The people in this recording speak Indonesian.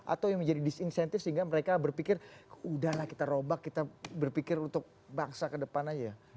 atau yang menjadi disinsentif sehingga mereka berpikir udahlah kita robak kita berpikir untuk bangsa ke depan aja